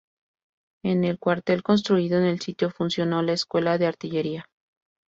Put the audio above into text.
En el cuartel construido en el sitio, funcionó la Escuela de Artillería.